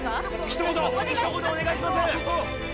ひと言お願いします！